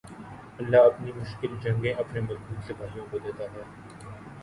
اللہ اپنی مشکل جنگیں اپنے مضبوط سپاہیوں کو دیتا ہے